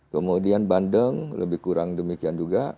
kemudian bandeng lebih kurang demikian juga